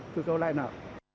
cưu cầu lại nào